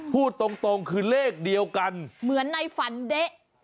พูดตรงคือเลขเดียวกันเหมือนในฝันเด๊ะ